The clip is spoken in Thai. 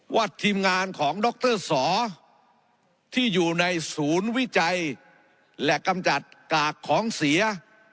ทีมงานของดรสอที่อยู่ในศูนย์วิจัยและกำจัดกากของเสีย